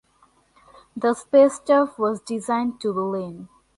The Space Staff was designed to be lean.